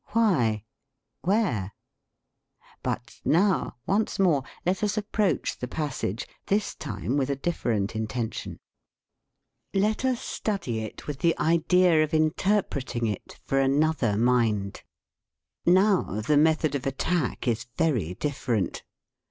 Why? Where? But now, once more, let us approach the passage, this time with a different intention. Let us 40 DISCUSSION study it with the idea of interpreting it for another mind. Now the method of attack is very different.